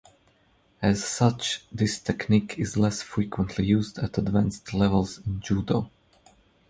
As such, this technique is less frequently used at advanced levels in Judo.